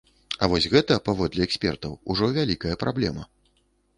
А вось гэта, паводле экспертаў, ужо вялікая праблема.